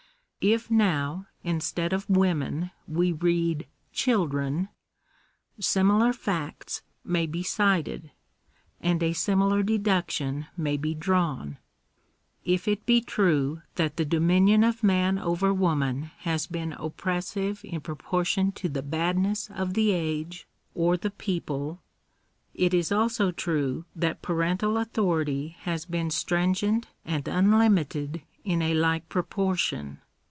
If now, instead of women we read children, similar facts may be cited, and a similar deduction may be drawn. If it be true that the dominion of man over woman has been oppressive in proportion to the badness of the age or the people, it is also true that parental authority has been stringent and unlimited ui a like proportion.